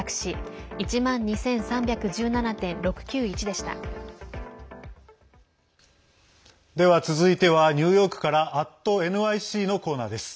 では続いてはニューヨークから「＠ｎｙｃ」のコーナーです。